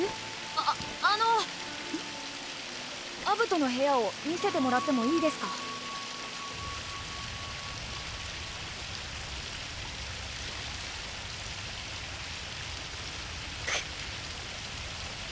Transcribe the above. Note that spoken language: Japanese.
ああのアブトの部屋を見せてもらってもいいですか？くっ！